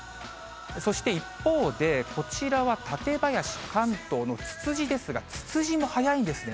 そして一方で、こちらは舘林、関東のツツジですが、ツツジも早いんですね。